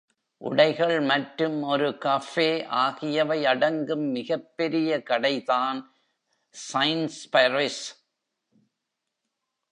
உடைகள் மற்றும் ஒரு கஃபே ஆகியவை அடங்கும் மிகப்பெரிய கடை தான் சைன்ஸ்பரிஸ்.